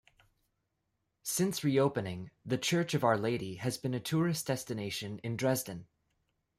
Since re-opening, the Church of Our Lady has been a tourist destination in Dresden.